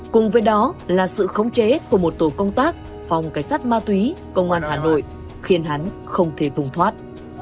cùng với đó là sự khống chế của một tổ công tác phòng cảnh sát ma túy công an hà nội khiến hắn không thể vùng thoát